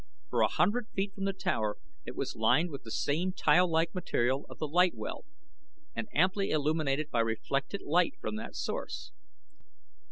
For a hundred feet from the tower it was lined with the same tile like material of the light well and amply illuminated by reflected light from that source.